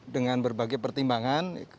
dengan berbagai pertimbangan